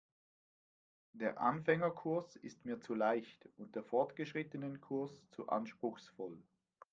Der Anfängerkurs ist mir zu leicht und der Fortgeschrittenenkurs zu anspruchsvoll.